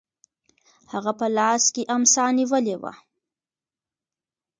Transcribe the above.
هغه په لاس کې امسا نیولې وه.